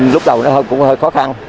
lúc đầu nó cũng hơi khó khăn